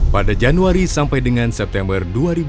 pada januari sampai dengan september dua ribu dua puluh